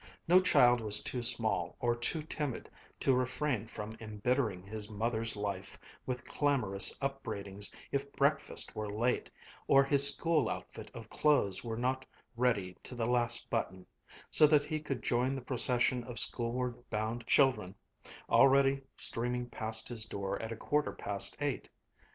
No child was too small or too timid to refrain from embittering his mother's life with clamorous upbraidings if breakfast were late, or his school outfit of clothes were not ready to the last button, so that he could join the procession of schoolward bound children, already streaming past his door at a quarter past eight.